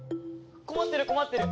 困ってる困ってる！